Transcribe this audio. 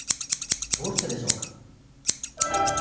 どうしてでしょうか。